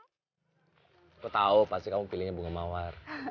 aku tahu pasti kamu pilihnya bunga mawar